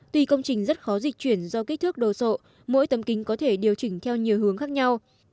tuy công trình rất khó dịch chuyển do kích thước đồ sộ mỗi tấm kính có thể điều chỉnh theo nhiều hướng khác nhau